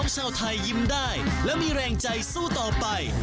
ชาวไทยยิ้มได้และมีแรงใจสู้ต่อไป